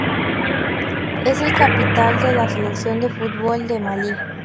Es el capitán de la selección de fútbol de Malí.